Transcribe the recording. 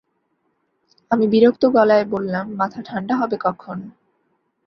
আমি বিরক্ত গলায় বললাম, মাথা ঠাণ্ডা হবে কখন?